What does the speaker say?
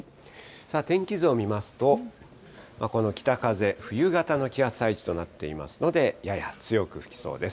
天気図を見ますと、この北風、冬型の気圧配置となっていますので、やや強く吹きそうです。